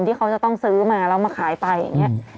ที่เขาจะต้องซื้อมาแล้วมาขายไปอย่างนี้